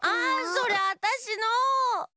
それあたしの！